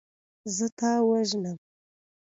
زه تا وژنم.